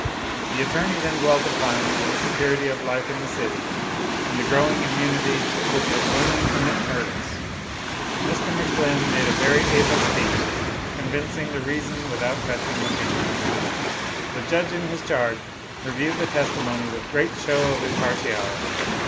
The attorney then dwelt upon the insecurity of life in the city, and the growing immunity with which women committed murders. Mr. McFlinn made a very able speech; convincing the reason without touching the feelings. The Judge in his charge reviewed the testimony with great show of impartiality.